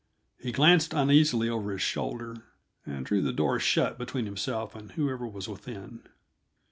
He glanced uneasily over his shoulder, and drew the door shut between himself and whoever was within.